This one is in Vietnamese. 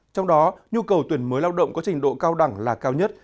trong đó nhu cầu tuyển mới lao động có trình độ cao đẳng là cao nhất